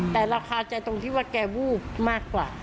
แต่เราคาใจตรงที่ว่าแกวูบมากกว่า